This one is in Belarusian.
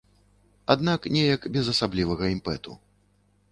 Аднак неяк без асаблівага імпэту.